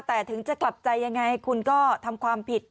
แต่ถึงจะกลับใจยังไงคุณก็ทำความผิด